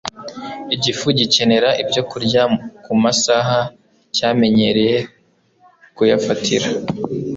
Igifu gikenera ibyokurya ku masaha cyamenyereye kuyafatira